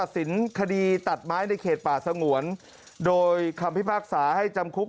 สินคดีตัดไม้ในเขตป่าสงวนโดยคำพิพากษาให้จำคุก